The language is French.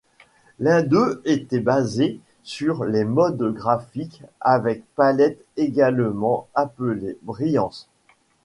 L'un d'eux était basé sur les modes graphiques avec palette, également appelé Brilliance.